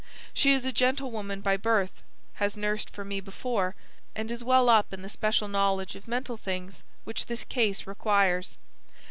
She is a gentlewoman by birth, has nursed for me before, and is well up in the special knowledge of mental things which this case requires.